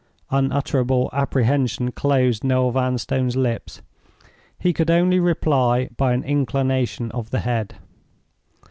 Unutterable apprehension closed Noel Vanstone's lips. He could only reply by an inclination of the head.